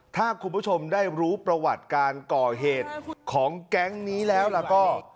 ถ้าคุณผู้ชมได้รู้ประวัติการก่อเหตุของแก๊งนี้แล้วล่ะก็